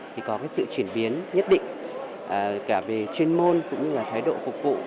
thì có cái sự chuyển biến nhất định cả về chuyên môn cũng như là thái độ phục vụ